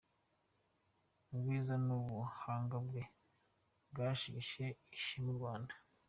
Ubwiza n’ubuhanga bwe byahesheje ishema u Rwanda .